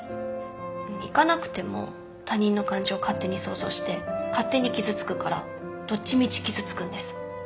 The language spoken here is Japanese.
行かなくても他人の感情勝手に想像して勝手に傷つくからどっちみち傷つくんです。